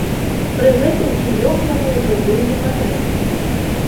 Пры гэтым кіёк яму ўжо быў непатрэбны.